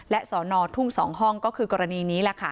และสอนอทุ่ง๒ห้องก็คือกรณีนี้แหละค่ะ